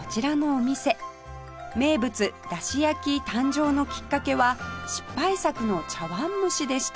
名物だしやき誕生のきっかけは失敗作の茶碗蒸しでした